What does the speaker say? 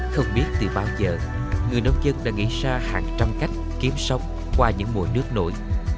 không biết từ bao giờ người nông dân đã nghĩ ra hàng trăm cách kiếm sống qua những mùa nước nổi